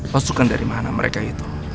pasukan dari mana mereka itu